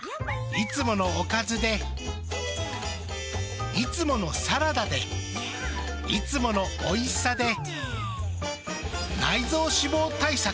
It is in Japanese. いつものおかずでいつものサラダでいつものおいしさで内臓脂肪対策。